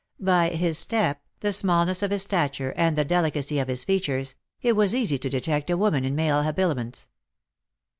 By his step, the smallness of his stature, and the delicacy of his features, it was easy to detect a woman in male habiliments.